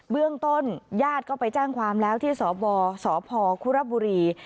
เรื่องต้นญาติก็ไปแจ้งความแล้วที่สบสพคุรบุรี